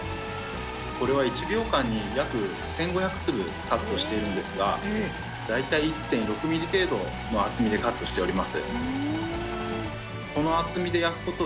これは１秒間に約１５００粒カットしているんですが大体１．６ミリ程度の厚みでカットしております。